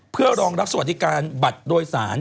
เพื่อรองรับสวัสดิการบัตรโดยสาร